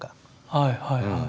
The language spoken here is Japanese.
はいはいはい。